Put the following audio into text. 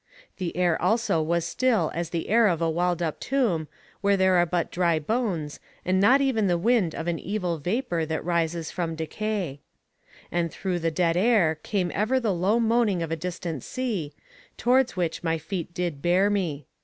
The air also was still as the air of a walled up tomb, where there are but dry bones, and not even the wind of an evil vapour that rises from decay. And through the dead air came ever the low moaning of a distant sea, towards which my feet did bear me.